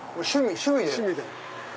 趣味で。